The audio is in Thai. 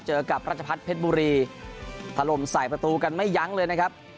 เจอกับรัชพัฒน์เพชรบุรีถล่มใส่ประตูกันไม่ยั้งเลยนะครับ